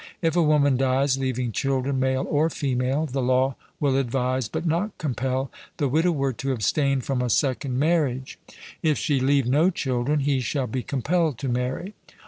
If a woman dies, leaving children male or female, the law will advise, but not compel, the widower to abstain from a second marriage; if she leave no children, he shall be compelled to marry.